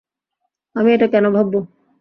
আমি এটা কেন ভাববো?